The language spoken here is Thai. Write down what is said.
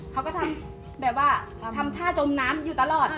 เขาก็ทำแบบว่าทำท่าจมน้ำอยู่ตลอด